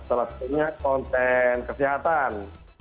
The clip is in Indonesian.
selepas itu konten kesehatan